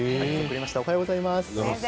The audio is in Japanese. おはようございます。